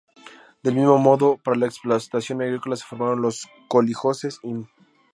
Del mismo modo, para la explotación agrícola se formaron los koljoses "im.